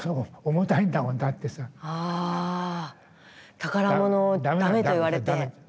宝物をダメと言われて。